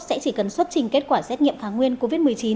sẽ chỉ cần xuất trình kết quả xét nghiệm kháng nguyên covid một mươi chín